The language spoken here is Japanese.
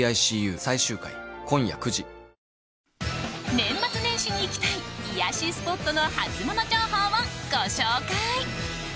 年末年始に行きたい癒やしスポットのハツモノ情報をご紹介。